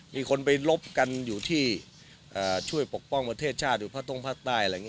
มีคนไปลบกันอยู่ที่ช่วยปกป้องประเทศชาติอยู่พระตรงภาคใต้อะไรอย่างนี้